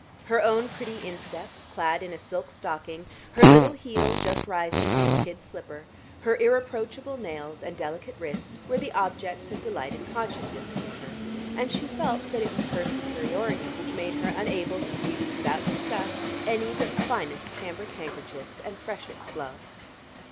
Her own pretty instep, clad in a silk stocking, her little heel, just rising from a kid slipper, her irreproachable nails and delicate wrist, were the objects of delighted consciousness to her; and she felt that it was her superiority which made her unable to use without disgust any but the finest cambric handkerchiefs and freshest gloves.